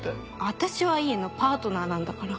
私はいいのパートナーなんだから。